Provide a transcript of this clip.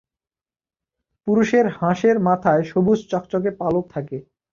পুরুষের হাঁসের মাথায় সবুজ চকচকে পালক থাকে।